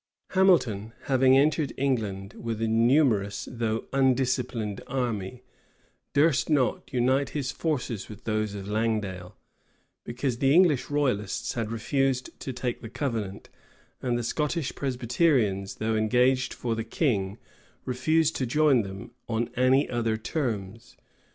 Hamilton, having entered England with a numerous though undisciplined army, durst not unite his forces with those of Langdale; because the English royalists had refused to take the covenant; and the Scottish Presbyterians, though engaged for the king, refused to join them on any other terms.